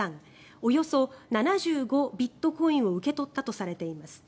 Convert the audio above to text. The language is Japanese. およそ７５ビットコインを受け取ったとされています。